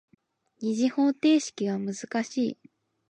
二次方程式は難しい。